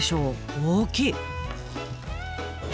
大きい！